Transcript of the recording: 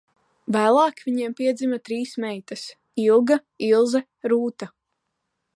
Vēlāk viņiem piedzima trīs meitas: Ilga, Ilze, Rūta.